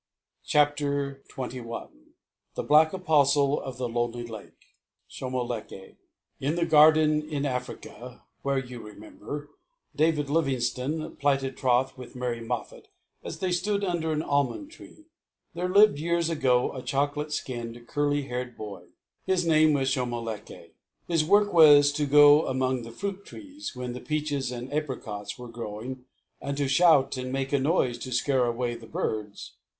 ] CHAPTER XXI THE BLACK APOSTLE OF THE LONELY LAKE Shomolekae In the garden in Africa where, you remember, David Livingstone plighted troth with Mary Moffat, as they stood under an almond tree, there lived years ago a chocolate skinned, curly haired boy. His name was Shomolekae. His work was to go among the fruit trees, when the peaches and apricots were growing and to shout and make a noise to scare away the birds.